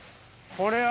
これは。